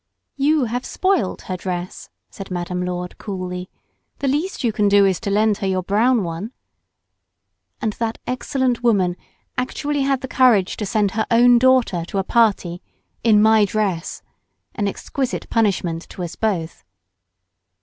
"You have spoilt her dress," said Madame Lourdes coolly, "the least you can do is to lend her your brown one." And that excellent woman actually had the courage to send her own daughter to a party, in my dress, an exquisite punishment to us both.